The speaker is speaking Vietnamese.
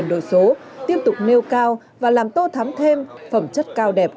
đổi số tiếp tục nêu cao và làm tô thắm thêm phẩm chất cao đẹp